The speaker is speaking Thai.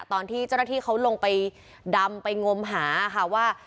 ตอนที่เจ้าหน้าที่เขาลงไปดำไปงมหาค่ะว่า